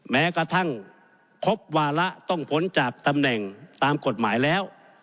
แม้กระทั่งครบวาระต้องพ้นจากตำแหน่งตามกฎหมายแล้ว